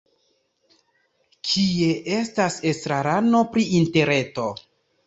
Kie estas estrarano pri interreto?